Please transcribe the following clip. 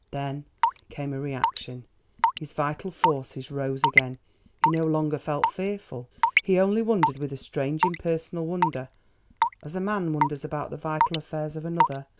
Then came a reaction. His vital forces rose again. He no longer felt fearful, he only wondered with a strange impersonal wonder, as a man wonders about the vital affairs of another.